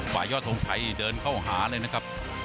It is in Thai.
ยอดทงชัยเดินเข้าหาเลยนะครับ